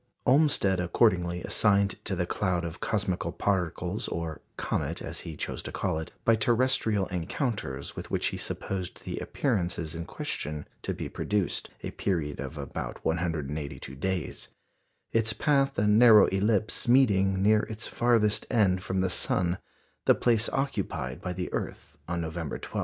Olmsted accordingly assigned to the cloud of cosmical particles (or "comet," as he chose to call it), by terrestrial encounters with which he supposed the appearances in question to be produced, a period of about 182 days; its path a narrow ellipse, meeting, near its farthest end from the sun, the place occupied by the earth on November 12.